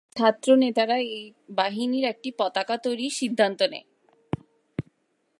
ছাত্র নেতারা এই বাহিনীর একটি পতাকা তৈরির সিদ্ধান্ত নেয়।